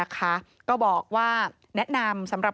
ก็บอกว่าแนะนำสำหรับ